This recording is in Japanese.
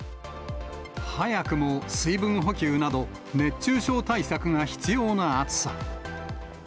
早くも水分補給など、熱中症対策が必要な暑さ。